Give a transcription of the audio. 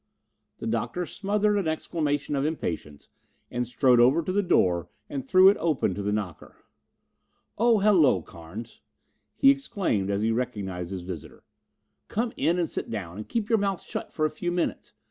The Doctor smothered an exclamation of impatience and strode over to the door and threw it open to the knocker. "Oh, hello, Carnes," he exclaimed as he recognized his visitor. "Come in and sit down and keep your mouth shut for a few minutes.